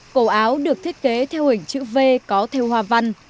cầu áo được thiết kế theo hình chữ v có theo hóa